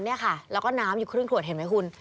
เนี่ยค่ะแล้วก็น้ำอยู่ครึ่งขวดเห็นไหมคุณ